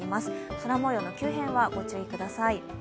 空もようの急変にはご注意ください。